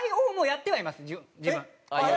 やってはいます。